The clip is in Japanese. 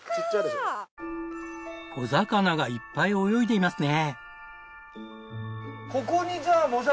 小魚がいっぱい泳いでいますね。